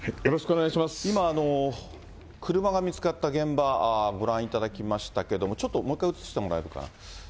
今、車が見つかった現場、ご覧いただきましたけども、ちょっともう一回、映してもらえるかな。